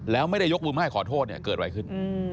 แล้วไม่ได้ยกมือไห้ขอโทษเนี่ยเกิดอะไรขึ้น